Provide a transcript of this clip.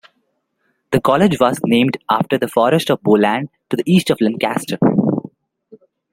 The College was named after the Forest of Bowland, to the east of Lancaster.